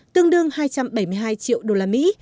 tương đương hai trăm bảy mươi hai triệu đô la mỹ